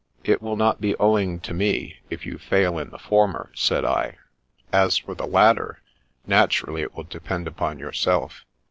" It will not be owing to me, if you fail in the former," said I. " As for the latter, naturally it will depend upon yourself.